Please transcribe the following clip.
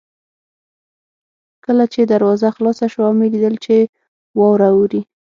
کله چې دروازه خلاصه شوه ومې لیدل چې واوره اورې.